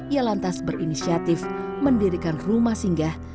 ia lantas berinisiatif mendirikan rumah singgah